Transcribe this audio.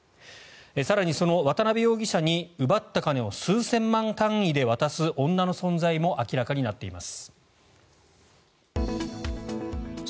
更にその渡邉容疑者に奪った金を数千万単位で渡す女の存在も明らかになっています。